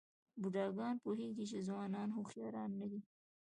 بوډاګان پوهېږي چې ځوانان هوښیاران نه دي.